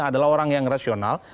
adalah orang yang rasional